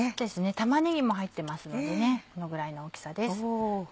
玉ねぎも入ってますのでこのぐらいの大きさです。